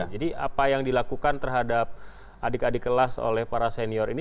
jadi apa yang dilakukan terhadap adik adik kelas oleh para senior ini